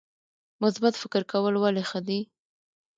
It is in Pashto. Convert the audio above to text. مثبت فکر کول ولې ښه دي؟